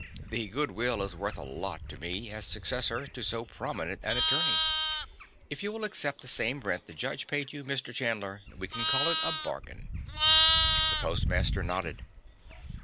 The 'good will' is worth a lot to me, as successor to so prominent an attorney. If you will accept the same rent the judge paid you, Mr. Chandler, we will call it a bargain." The postmaster nodded.